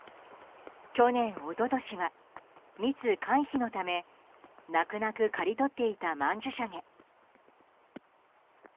去年、一昨年は密回避のため泣く泣く刈り取っていた曼珠沙華。